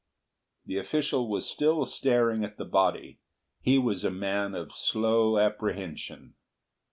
The official was still staring at the body. He was a man of slow apprehension.